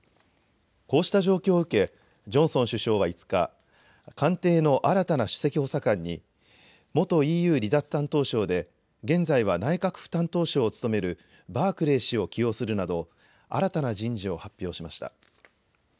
こうした状況を受けジョンソン首相は５日、官邸の新たな首席補佐官に元ＥＵ離脱担当相で現在は内閣府担当相を務めるバークレー氏を起用するなど新たな人事を発表しました。